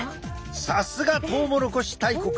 さすがトウモロコシ大国。